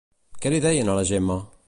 Què li deien a la Gemma?